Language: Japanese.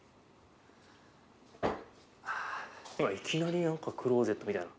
いきなり何かクローゼットみたいな。